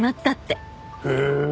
へえ。